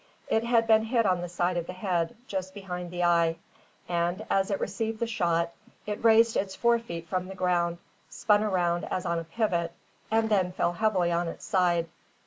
It had been hit on the side of the head, just behind the eye; and, as it received the shot, it raised its fore feet from the ground, spun around as on a pivot, and then fell heavily on its side.